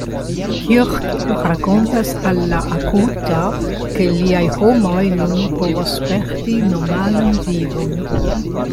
Kirk rakontas al la Akuta, ke liaj homoj nun povos sperti normalan vivon.